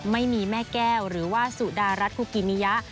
ไม่มีแม่แก้วหรือว่าสุดารัฐคุกินิยะ